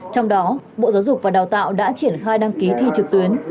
trong đó bộ giáo dục và đào tạo đã triển khai đăng ký thi trực tuyến